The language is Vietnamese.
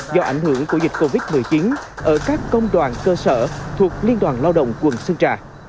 do ảnh hưởng của dịch covid một mươi chín ở các công đoàn cơ sở thuộc liên đoàn lao động quận sơn trà